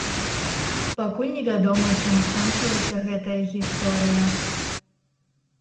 Пакуль невядома, чым скончылася гэтая гісторыя.